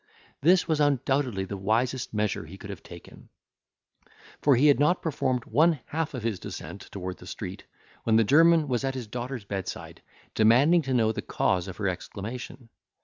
This was undoubtedly the wisest measure he could have taken; for he had not performed one half of his descent toward the street, when the German was at his daughter's bedside, demanding to know the cause of her exclamation.